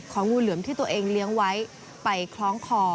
งูเหลือมที่ตัวเองเลี้ยงไว้ไปคล้องคอ